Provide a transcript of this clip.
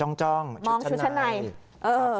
มองชุดชั้นในมองชุดชั้นในเออ